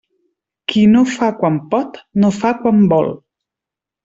Qui no fa quan pot, no fa quan vol.